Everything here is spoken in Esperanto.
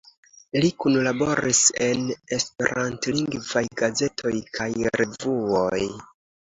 Li kunlaboris en esperantlingvaj gazetoj kaj revuoj.